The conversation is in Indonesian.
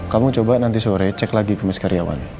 kamu coba nanti sore cek lagi ke mas karyawan